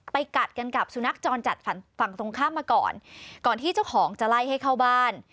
กัดกันกับสุนัขจรจัดฝั่งตรงข้ามมาก่อนก่อนที่เจ้าของจะไล่ให้เข้าบ้าน